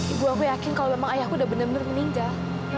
ibu aku yakin kalau memang ayahku udah benar benar meninggal